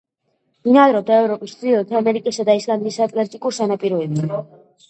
ბინადრობდა ევროპის, ჩრდილოეთ ამერიკისა და ისლანდიის ატლანტიკურ სანაპიროებზე.